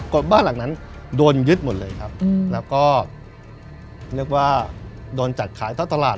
ก็บ้านหลังนั้นโดนยึดหมดเลยครับแล้วก็เรียกว่าโดนจัดขายเท่าตลาด